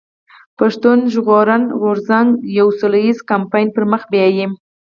پښتون ژغورني غورځنګ يو سوله ايز کمپاين پر مخ بيايي.